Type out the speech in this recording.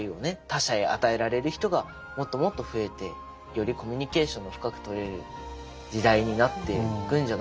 他者へ与えられる人がもっともっと増えてよりコミュニケーションの深くとれる時代になっていくんじゃないかなと思いました。